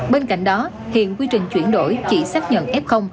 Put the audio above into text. bên cạnh đó hiện quy trình chuyển đổi chỉ xác nhận f